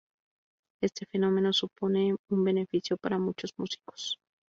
Este fenómeno supone un beneficio para muchos músicos